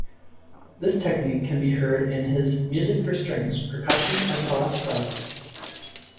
This technique can be heard in his "Music for Strings, Percussion and Celesta".